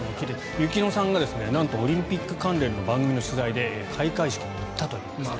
雪乃さんがオリンピック関連の番組の取材で開会式に行ったという。